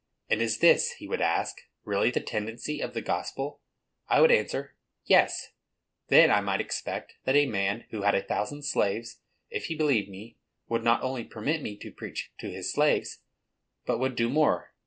"And is this," he would ask, "really the tendency of the gospel?" I would answer, Yes. Then I might expect that a man who had a thousand slaves, if he believed me, would not only permit me to preach to his slaves, but would do more.